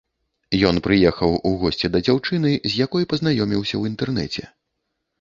Ён прыехаў у госці да дзяўчыны, з якой пазнаёміўся ў інтэрнэце.